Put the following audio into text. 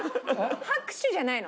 拍手じゃないの。